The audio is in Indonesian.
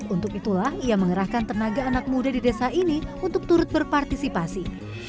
untuk itulah ia mengerahkan tenaga anak muda di desa ini untuk turut berpartisipasi